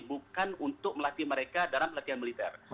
bukan untuk melatih mereka dalam latihan militer